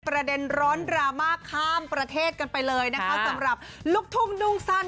ประเด็นร้อนดราม่าข้ามประเทศกันไปเลยนะคะสำหรับลูกทุ่งนุ่งสั้น